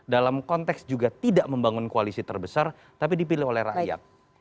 dalam konteks juga tidak membangun koalisi terbesar tapi dipilih oleh rakyat